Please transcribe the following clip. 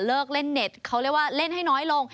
เล่นเน็ตเขาเรียกว่าเล่นให้น้อยลง